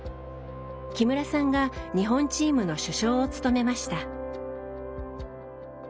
木村さんが日本チームの主将を務めました。